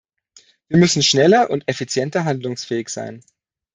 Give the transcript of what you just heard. Wir müssen schneller und effizienter handlungsfähig sein.